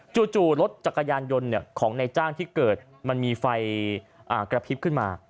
จู่รถจักรยานยนต์ของนายจ้างที่เกิดมันมีไฟกระพริบขึ้นมา